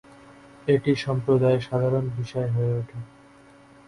এটি সম্প্রদায়ে সাধারণ বিষয় হয়ে ওঠে।